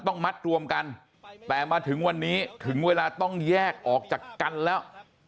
ต้องมัดรวมกันแต่มาถึงวันนี้ถึงเวลาต้องแยกออกจากกันแล้ว